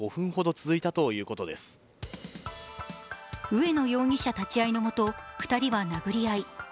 上野容疑者立ち会いのもと、２人は殴り合い。